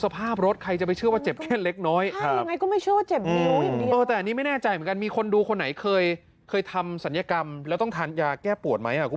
บางตัวมันง่วงหนาดอก